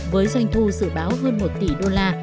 với doanh thu dự báo hơn một tỷ đô la